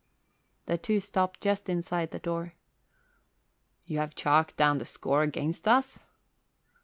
The two stopped just inside the door. "You have chalked down the score against us?"